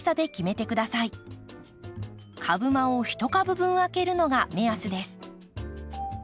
株間を１株分空けるのが目安です。